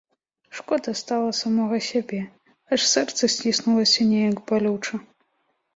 Шкода стала самога сябе, аж сэрца сціснулася неяк балюча.